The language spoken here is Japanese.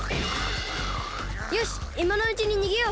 よしいまのうちににげよう！